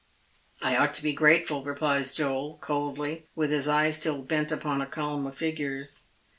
"I ought to be grateful," replies Joel, coldly, with his eyes still bent upon a column of figures.